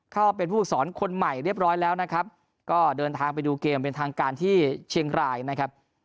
เข้าเป็นผู้ฝึกสอนคนใหม่เรียบร้อยแล้วนะครับก็เดินทางไปดูเกมเป็นทางการที่เชียงรายนะครับ